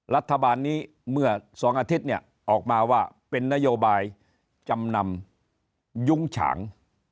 รัฐบาลนี้เมื่อ๒อาทิตย์เนี่ยออกมาว่าเป็นนโยบายจำนำยุ้งฉาง